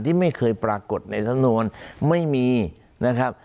ที่ไม่เคยปรากฏในสำนวนไม่มีนะครับ